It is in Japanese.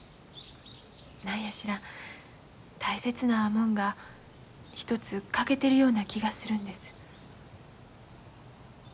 何や知らん大切なもんが一つ欠けてるような気がするんです。